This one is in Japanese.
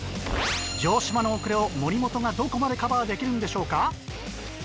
城島の遅れを森本がどこまでカバーできるんでしょうか？